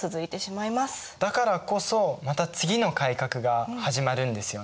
だからこそまた次の改革が始まるんですよね。